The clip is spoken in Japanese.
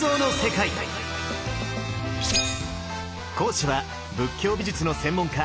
講師は仏教美術の専門家